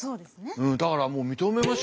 だからもう認めましょうよ。